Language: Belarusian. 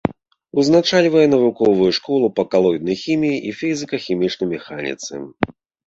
Узначальвае навуковую школу па калоіднай хіміі і фізіка-хімічнай механіцы.